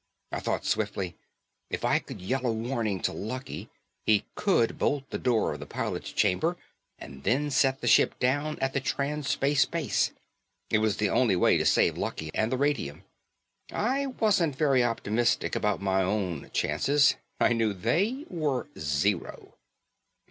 I thought swiftly. If I could yell a warning to Lucky, he could bolt the door of the pilot's chamber and then set the ship down at the Trans Space base. It was the only way to save Lucky and the radium. I wasn't very optimistic about my own chances. I knew they were zero.